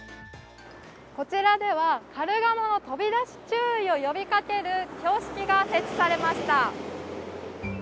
こちらではカルガモの飛び出し注意を呼びかける標識が設置されました。